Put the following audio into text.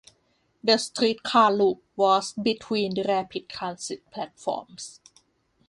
The streetcar loop was between the rapid transit platforms.